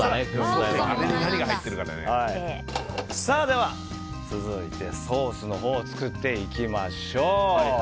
では続いてソースのほうを作っていきましょう。